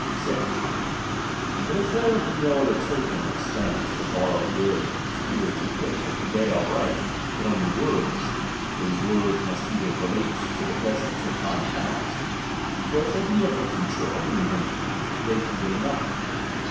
(t. Hut if there be no other token extant of our will either to quit or convey our right, hut only words ; those words must either relate to the pre sent or time past ; for if they be of the future only, they convey nothing.